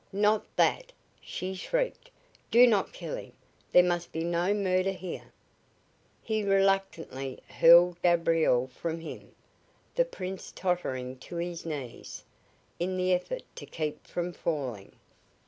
"Not that!" she shrieked. "Do not kill him! There must be no murder here!" He reluctantly hurled Gabriel from him, the Prince tottering to his knees in the effort to keep from falling.